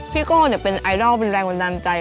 โก้เป็นไอดอลเป็นแรงบันดาลใจ